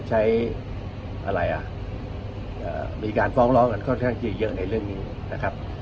ใช้อะไรอ่ะมีการฟ้องร้องกันค่อนข้างจะเยอะในเรื่องนี้นะครับ